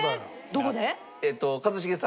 どこで？